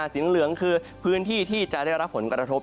สีเหลืองคือพื้นที่ที่จะได้รับผลกระทบ